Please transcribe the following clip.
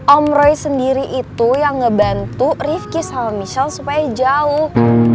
om roy sendiri itu yang ngebantu rifki sama michelle supaya jauh